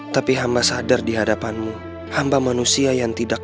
tapi jangan khawatirin reva ya